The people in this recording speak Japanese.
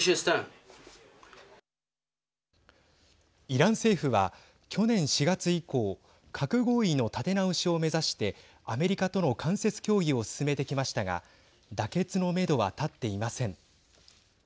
イラン政府は去年４月以降核合意の立て直しを目指してアメリカとの間接協議を進めてきましたが妥結のめどは立っていません。